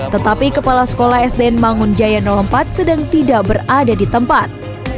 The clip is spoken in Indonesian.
tetapi kepala sekolah sdn mangunjaya empat sedang tidak berada di tempat